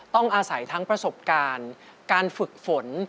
ต้องอาศัยทั้งประสบการณ์การฝึกฝน